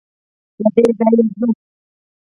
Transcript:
له دې ځايه ځو.